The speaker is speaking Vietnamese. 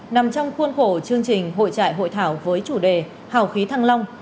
nằm trong khuôn khổ chương trình hội trại hội thảo với chủ đề hào khí thăng long